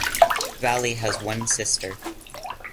Valley has one sister.